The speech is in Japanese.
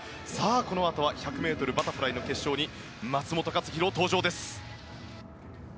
このあとは１００ｍバタフライの決勝に松元克央登場です。